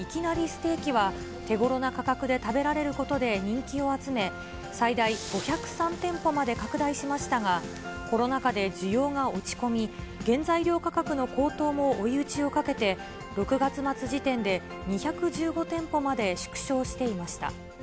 ステーキは、手ごろな価格で食べられることで人気を集め、最大５０３店舗まで拡大しましたが、コロナ禍で需要が落ち込み、原材料価格の高騰も追い打ちをかけて、６月末時点で２１５店舗まで縮小していました。